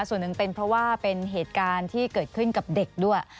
ส่วนหนึ่งเป็นเพราะว่าเป็นเหตุการณ์ที่เกิดขึ้นกับเด็กด้วย